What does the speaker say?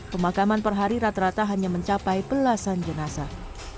pemakaman per hari rata rata hanya mencapai belasan jenazah